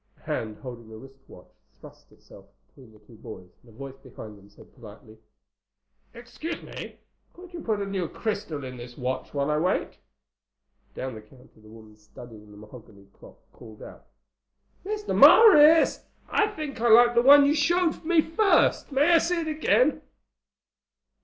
A hand holding a wrist watch thrust itself between the two boys, and a voice behind them said politely, "Excuse me. Could you put a new crystal in this watch while I wait?" Down the counter the woman studying the mahogany clock called out, "Mr. Morris, I think I like the one you showed me first. May I see that again?"